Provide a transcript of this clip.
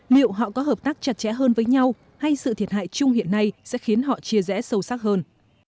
liệu họ có hợp tác chặt chẽ hơn với nhau hay sự thiệt hại chung hiện nay sẽ khiến họ chia rẽ sâu sắc hơn